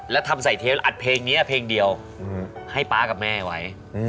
แล้วทำใส่เทปอัดเพลงนี้เพลงเดียวให้ป๊ากับแม่ไว้